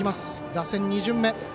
打線２巡目。